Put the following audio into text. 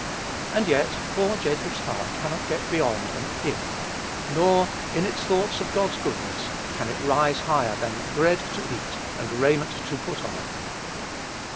And yet poor Jacob's heart cannot get beyond an "if;" nor, in its thoughts of God's goodness, can it rise higher than "bread to eat, and raiment to put on."